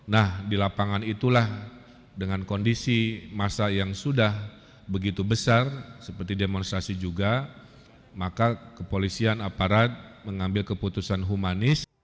nah di lapangan itulah dengan kondisi masa yang sudah begitu besar seperti demonstrasi juga maka kepolisian aparat mengambil keputusan humanis